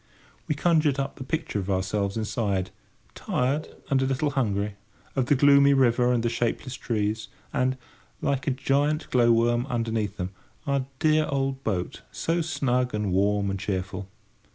We conjured up the picture of ourselves inside, tired and a little hungry; of the gloomy river and the shapeless trees; and, like a giant glow worm underneath them, our dear old boat, so snug and warm and cheerful.